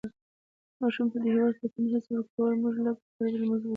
ماشوم ته د هېواد ساتنې حس ورکول مونږ لکه فرض لمونځ وګڼو.